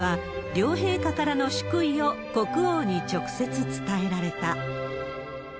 秋篠宮ご夫妻は、両陛下からの祝意を国王に直接伝えられた。